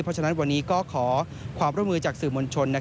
เพราะฉะนั้นวันนี้ก็ขอความร่วมมือจากสื่อมวลชน